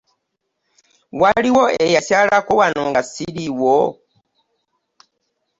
Waliwo eyakyalako wano nga siriiwo?